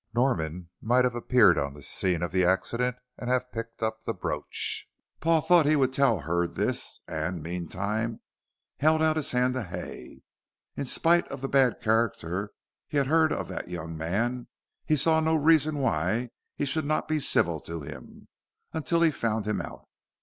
Norman might have appeared on the scene of the accident and have picked up the brooch. Paul thought he would tell Hurd this, and, meantime, held out his hand to Hay. In spite of the bad character he had heard of that young man, he saw no reason why he should not be civil to him, until he found him out.